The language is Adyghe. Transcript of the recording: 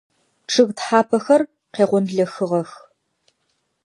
Чъыг тхьапэхэр къегъонлэхыгъэх.